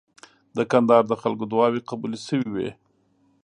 د کندهار د خلکو دعاوي قبولې شوې وې.